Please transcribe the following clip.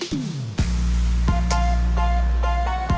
kirain mau ketemu sama pacarnya